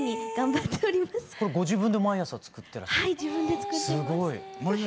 ご自分で毎朝作ってらっしゃるの？